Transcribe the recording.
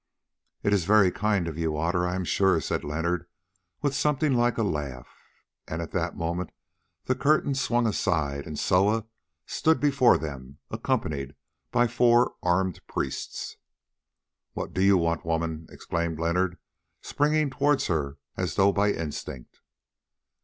"It is very kind of you, Otter, I am sure," said Leonard with something like a laugh, and at that moment the curtains swung aside and Soa stood before them accompanied by four armed priests. "What do you want, woman?" exclaimed Leonard, springing towards her as though by instinct.